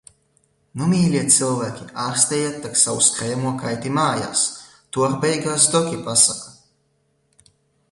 Nu mīļie cilvēki, ārstējiet tak savu skrejamo kaiti mājas, to ar beigās doki pasaka.